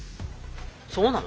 そうなの？